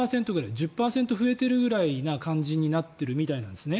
１０％増えてるぐらいの感じになってるみたいなんですね。